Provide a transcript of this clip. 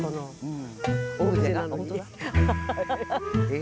え？